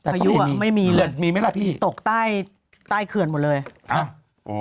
พายุอะไม่มีเลยตกใต้เขื่อนหมดเลยโอเค